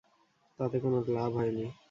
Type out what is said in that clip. তাতে কোনো লাভ হয়নি।